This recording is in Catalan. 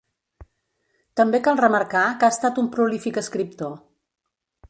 També cal remarcar que ha estat un prolífic escriptor.